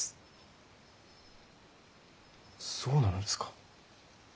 そうなのですか。